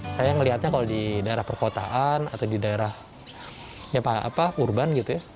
saya melihatnya kalau di daerah perkotaan atau di daerah urban gitu ya